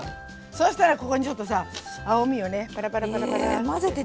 そうしたらここにちょっとさ青みをねパラパラパラパラって。